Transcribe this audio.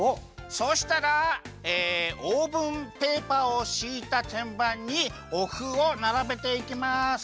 そうしたらえオーブンペーパーをしいたてんばんにおふをならべていきます！